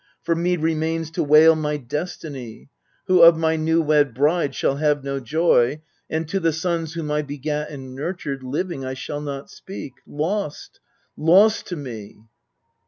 For me remains to wail my destiny, Who of my new wed bride shall have no joy, And to the sons whom I begat and nurtured Living I shall not speak lost, lost to me